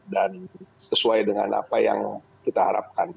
dan sesuai dengan apa yang kita harapkan